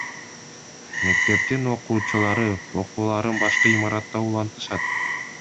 Мектептин окуучулары окууларын башка имаратта улантышат.